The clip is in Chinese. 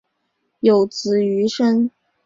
有子俞深。